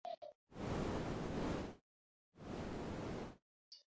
এই কান-মলার অনেকটা অংশই নিজের ভাগ্যের উদ্দেশে।